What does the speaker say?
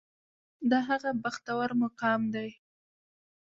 دا هغه بختور مقام دی.